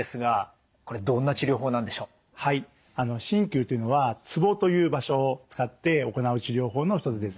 鍼灸っていうのはツボという場所を使って行う治療法の一つです。